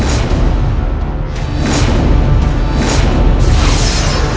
dan sel seribu delapan puluh meter